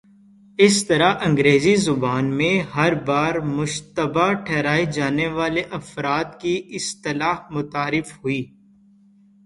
اس طرح انگریزی زبان میں ''ہر بار مشتبہ ٹھہرائے جانے والے افراد "کی اصطلاح متعارف ہوئی۔